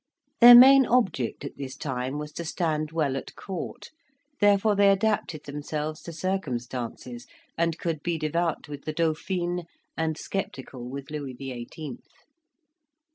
Their main object, at this time, was to stand well at court, therefore they adapted themselves to circumstances, and could be devout with the Dauphine and sceptical with Louis the Eighteenth.